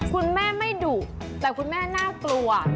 คุณแม่ไม่ดุแต่คุณแม่น่ากลัว